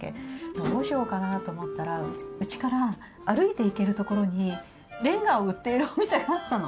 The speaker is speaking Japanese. どうしようかなあと思ったらうちから歩いていけるところにれんがを売っているお店があったの。